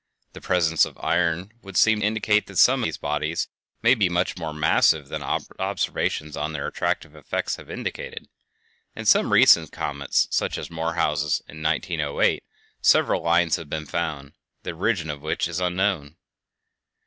The presence of iron would seem to indicate that some of these bodies may be much more massive than observations on their attractive effects have indicated. In some recent comets, such as Morehouse's, in 1908, several lines have been found, the origin of which is unknown.